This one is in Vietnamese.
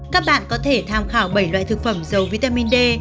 các bạn có thể tham khảo bảy loại thực phẩm dầu vitamin d